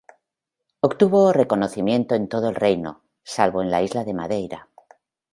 Obtuvo reconocimiento en todo el Reino, salvo en la isla de Madeira.